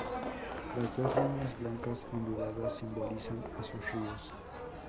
Las dos líneas blancas onduladas simbolizan a sus ríos.